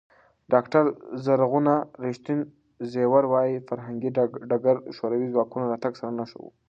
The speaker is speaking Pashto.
ډاکټره زرغونه ریښتین زېور وايي، فرهنګي ډګر د شوروي ځواکونو راتګ سره ښه و.